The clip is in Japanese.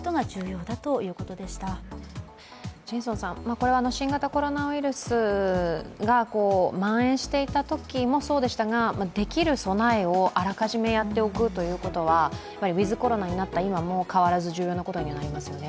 これは新型コロナウイルスがまん延していたときもそうでしたができる備えをあらかじめやっておくということは、ウィズ・コロナになった今も変わらず重要なことですよね。